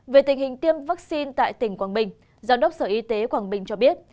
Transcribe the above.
về tình hình tiêm vaccine tại tỉnh quảng bình giám đốc sở y tế quảng bình cho biết